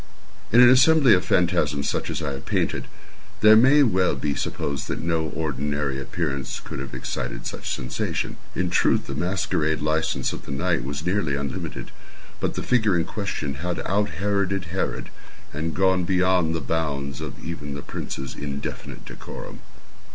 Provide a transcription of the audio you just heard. In an assembly of phantasms such as I have painted, it may well be supposed that no ordinary appearance could have excited such sensation. In truth the masquerade license of the night was nearly unlimited; but the figure in question had out Heroded Herod, and gone beyond the bounds of even the prince's indefinite decorum.